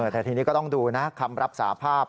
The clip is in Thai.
แต่ทีนี้ก็ต้องดูนะคำรับสาภาพ